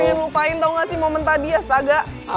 pengen lupain tau gak sih momen tadi astaga